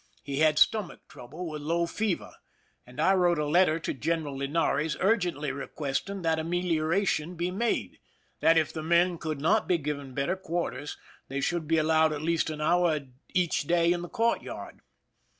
He had stomach trouble with low fever, and I wrote a letter to Greneral Linares urgently requesting that amelioration be made— that if the men could not be given better quarters, they should be allowed at least an hour each day in the courtyard.